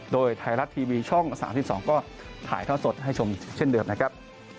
โดยไทยรัฐทีวีช่อง๓๒ก็ถ่ายท่อสดให้ชมเช่นเดิมนะครับ